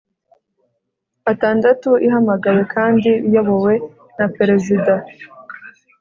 Atandatu ihamagawe kandi iyobowe na perezida